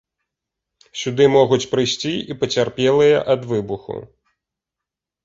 Сюды могуць прыйсці і пацярпелыя ад выбуху.